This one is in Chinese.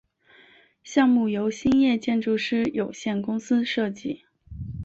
项目由兴业建筑师有限公司设计。